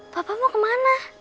papa mau kemana